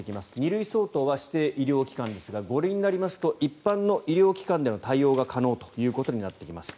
２類相当は指定医療機関ですが５類になりますと一般の医療機関での対応が可能となってきます。